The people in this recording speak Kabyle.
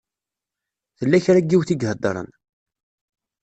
Tella kra n yiwet i iheddṛen.